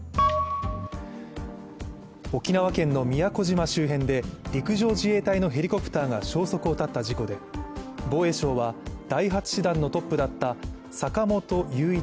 沖縄県の宮古島周辺で陸上自衛隊のヘリコプターが消息を絶った事故で、防衛省は第８師団のトップだった坂本雄一